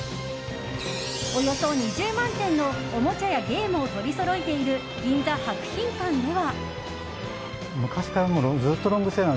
およそ２０万点のおもちゃやゲームを取りそろえている銀座・博品館では。